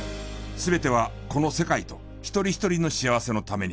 全てはこの世界と一人一人の幸せのために。